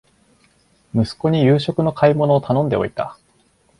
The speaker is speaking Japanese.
息子に夕食の買い物を頼んでおいた